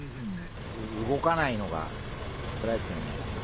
動かないのがつらいですよね。